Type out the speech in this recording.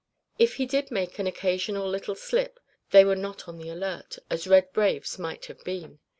If he did make an occasional little slip, they were not on the alert, as red braves might have been.